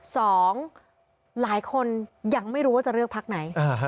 สองคนยังไม่รู้ว่าจะเลือกพักไหน